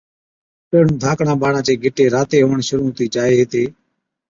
پيهڻُون ڌاڪڙان ٻاڙان چي گِٽي راتي هُوَڻ شرُوع هُتِي جائي هِتي